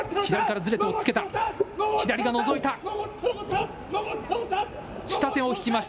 左からずれて押っ付けた、左がのぞいた。